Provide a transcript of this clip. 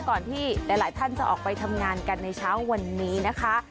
ก่อนที่หลายท่านจะออกไปทำงานกันในเช้าวันนี้นะคะ